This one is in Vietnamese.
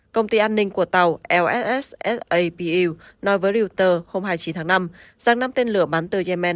công ty an ninh của tàu lssapu nói với reuters hôm hai mươi chín tháng năm rằng năm tên lửa bắn từ yemen